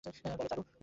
বলো, চারু।